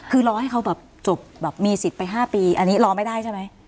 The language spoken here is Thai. คือรอให้เขาแบบจบแบบมีสิทธิ์ไป๕ปีอันนี้รอไม่ได้ใช่ไหม